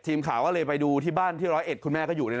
ทีมข่าวก็เลยไปดูที่บ้านที่ร้อยเอ็ดคุณแม่ก็อยู่